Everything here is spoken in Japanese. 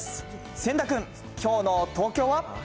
千田君、きょうの東京は？